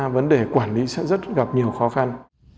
vấn đề quản lý sẽ rất gặp nhiều khó khăn